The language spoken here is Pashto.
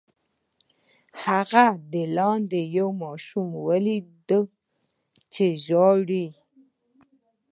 هغه لاندې یو ماشوم ولید چې ژړل یې.